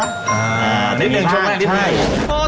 อ่านิดหนึ่งช่วงแน่นิดหนึ่ง